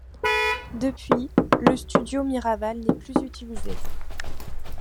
Depuis, le studio Miraval n’est plus utilisé.